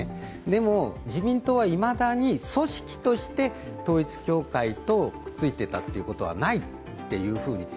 でも、自民党はいまだに組織として統一教会とくっついていたことはないっていうふうに。